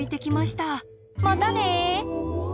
またね。